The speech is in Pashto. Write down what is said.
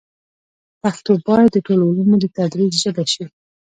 پښتو باید د ټولو علومو د تدریس ژبه شي.